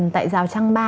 tại giào trăng ba